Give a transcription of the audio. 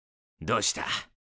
どうした？